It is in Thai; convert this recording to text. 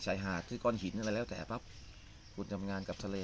ชายหาดที่ก้อนหินอะไรแล้วแต่ปั๊บคุณทำงานกับทะเล